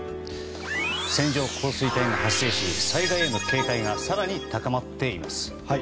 線状降水帯が発生するなど災害への警戒が更に高まっています。